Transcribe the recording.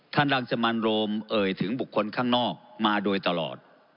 รังสมันโรมเอ่ยถึงบุคคลข้างนอกมาโดยตลอด